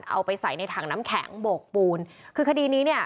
เอาไปใส่ในถังน้ำแข็งโบกปูนคือคดีนี้เนี่ย